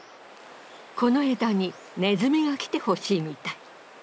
この枝にネズミが来てほしいみたい。